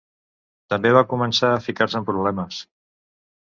També va començar a ficar-se en problemes.